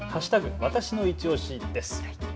わたしのいちオシです。